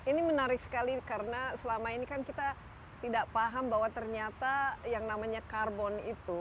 ini menarik sekali karena selama ini kan kita tidak paham bahwa ternyata yang namanya karbon itu